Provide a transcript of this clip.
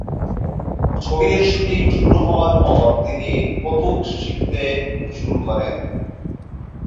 ছবির শ্যুটিং শুরু হওয়ার পর তিনি কত্থক শিখতে শুরু করেন।